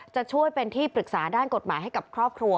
จะช่วยเป็นที่ปรึกษาด้านกฎหมายให้กับครอบครัว